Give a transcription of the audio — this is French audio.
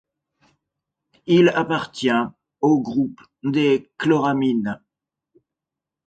Il appartient au groupe des chloramines.